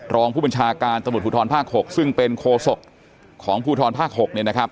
รองผู้บัญชาการตำรวจภูทรภาค๖ซึ่งเป็นโคศกของภูทรภาค๖เนี่ยนะครับ